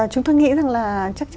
chúng tôi nghĩ rằng là